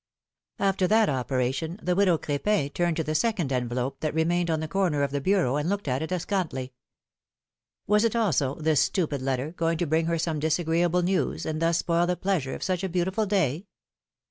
After that operation, the widow Cr^jjin turned to the second envelope, that remained on the corner of the bureau, and looked at it askantly. Was it also, this stupid letter, going to bring her some disagreeable news, and thus spoil the pleasure of such a beautiful day?